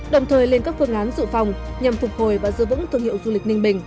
đồng thời lên các phương án dự phòng nhằm phục hồi và giữ vững thương hiệu du lịch ninh bình